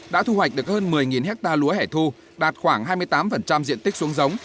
đã thu hoạch được hơn một mươi ha lúa hẻ thu đạt khoảng hai mươi tám diện tích xuống giống